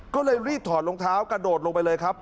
ก็เลยรีบถอดรองเท้ากระโดดลงไปเลยครับ